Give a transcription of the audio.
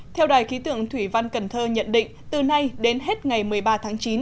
theo đài khí tượng thủy văn cần thơ nhận định từ nay đến hết ngày một mươi ba tháng chín